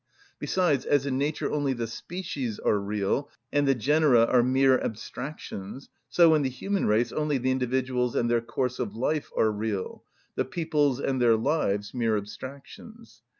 Besides, as in nature only the species are real, and the genera are mere abstractions, so in the human race only the individuals and their course of life are real, the peoples and their lives mere abstractions.